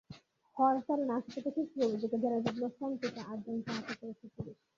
হরতালে নাশকতা সৃষ্টির অভিযোগে জেলার বিভিন্ন স্থান থেকে আটজনকে আটক করেছে পুলিশ।